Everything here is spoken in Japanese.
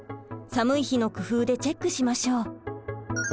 寒い日の工夫でチェックしましょう。